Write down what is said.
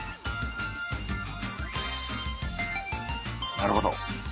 なるほど。